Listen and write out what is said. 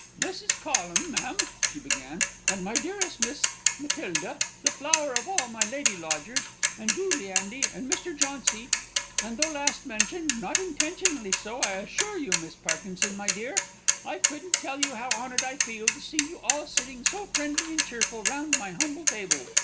"Mrs. Collum, ma'am," she began; "and my dearest Miss Matilda, the flower of all my lady lodgers; and you, Leandy; and Mr. Jauncy; and, though last mentioned, not intentionally so, I assure you, Miss Parkinson, my dear I couldn't tell you how honoured I feel to see you all sitting, so friendly and cheerful, round my humble table.